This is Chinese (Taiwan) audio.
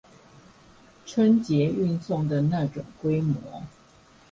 春節運送的那種規模